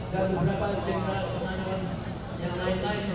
dan beberapa jenderal pengalaman yang lain lain